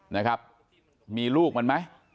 นะครับมีลูกมันไหม